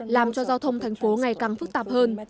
làm cho giao thông thành phố ngày càng phức tạp hơn